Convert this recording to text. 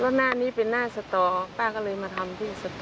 แล้วแน่นี้เป็นแน่สตรอแป๊วก็เลยมาทำที่สตรอ